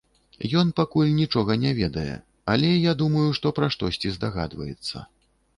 Ён пакуль нічога не ведае, але я думаю, што пра штосьці здагадваецца.